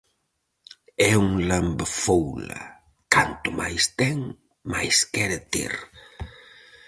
É unha lambefoula, canto máis ten máis quere ter.